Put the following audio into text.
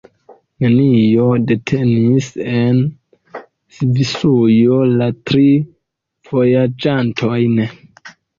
Nenio detenis en Svisujo la tri vojaĝantojn.